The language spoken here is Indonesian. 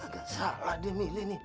gagak salah dia milih nih